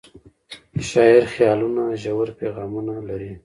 د شاعر خیالونه ژور پیغامونه لري.